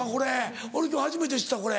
俺今日初めて知ったこれ。